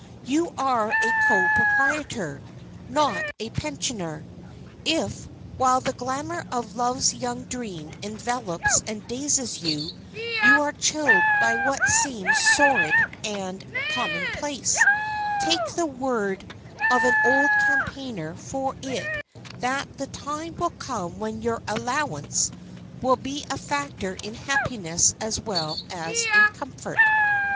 You are a co proprietor—not a pensioner. If, while the glamour of Love's Young Dream envelops and dazes you, you are chilled by what seems sordid and commonplace, take the word of an old campaigner for it that the time will come when your "allowance" will be a factor in happiness as well as in comfort.